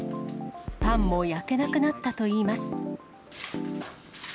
パンも焼けなくなったといいます。